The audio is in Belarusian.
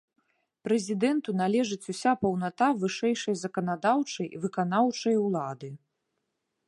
Прэзідэнту належыць уся паўната вышэйшай заканадаўчай і выканаўчай улады.